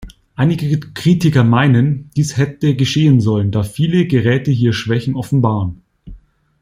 Einige Kritiker meinen, dies hätte geschehen sollen, da viele Geräte hier Schwächen offenbaren.